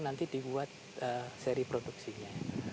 ini agak agak rahatin ya